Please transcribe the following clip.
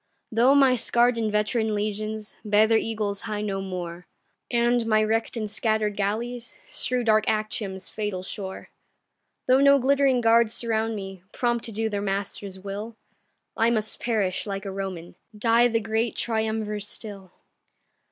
Though my scarr'd and veteran legions Bear their eagles high no more, And my wreck'd and scatter'd galleys Strew dark Actium's fatal shore, Though no glittering guards surround me, Prompt to do their master's will, I must perish like a Roman, Die the great Triumvir still.